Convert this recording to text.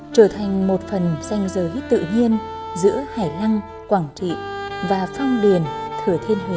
trở thành một phần danh giới tự nhiên giữa hải lăng quảng trị và phong điền thừa thiên huế